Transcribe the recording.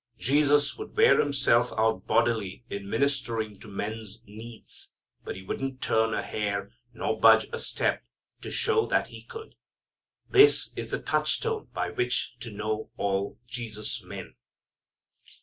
Jesus would wear Himself out bodily in ministering to men's needs, but He wouldn't turn a hair nor budge a step to show that He could. This is the touch stone by which to know all Jesus men.